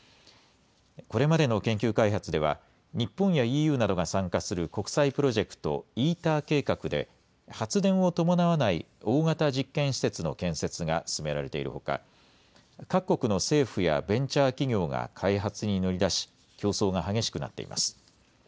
これまでの研究開発では、日本やＥＵなどが参加する国際プロジェクト、ＩＴＥＲ計画で、発電を伴わない大型実験施設の建設が進められているほか、各国の政府やベンチャー企業が開発に乗り出し、競争が激しくなっています。